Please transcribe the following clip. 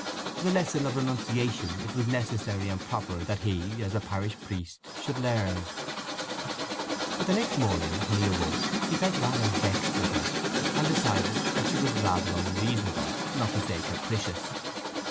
The lesson of renunciation it was necessary and proper that he, as a parish priest, should learn. But the next morning when he awoke he felt rather vexed with her, and decided that she was rather unreasonable, not to say capricious.